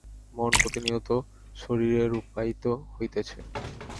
মন প্রতিনিয়ত শরীরে রূপায়িত হইতেছে।